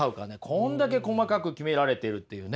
こんだけ細かく決められているっていうね。